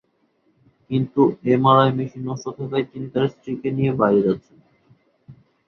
কিন্তু MRI machine নষ্ট থাকায় তিনি তাঁর স্ত্রীকে নিয়ে বাইরে যাচ্ছেন।